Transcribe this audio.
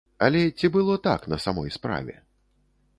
Але ці было так на самой справе?